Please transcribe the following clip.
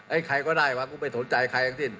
ใครก็ได้วะกูไม่สนใจใครทั้งสิ้น